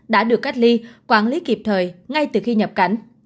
đã được cách ly quản lý kịp thời ngay từ khi nhập cảnh